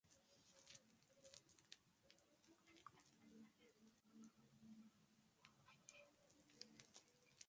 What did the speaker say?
Excelentes nadadores, viven preferentemente en zonas de densa vegetación, para evitar a sus depredadores.